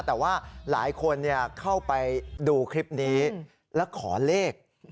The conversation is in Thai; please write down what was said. แต่ว่าหลายคนเข้าไปดูคลิปนี้แล้วขอเลข